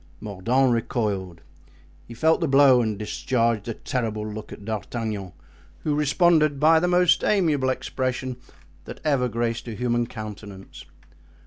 Mordaunt recoiled; he felt the blow and discharged a terrible look at D'Artagnan, who responded by the most amiable expression that ever graced a human countenance.